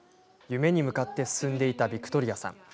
夢に向かって進んでいたビクトリアさん。